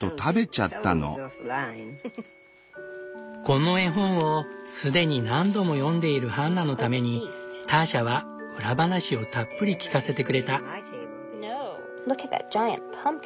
この絵本を既に何度も読んでいるハンナのためにターシャは裏話をたっぷり聞かせてくれた。